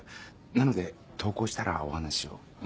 なので登校したらお話をね。